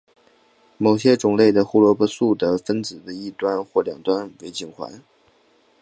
某些种类的胡萝卜素的分子的一端或两端为烃环。